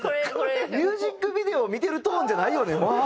ミュージックビデオを見てるトーンじゃないよね。